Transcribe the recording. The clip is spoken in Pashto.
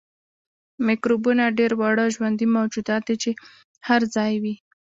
میکروبونه ډیر واړه ژوندي موجودات دي چې هر ځای وي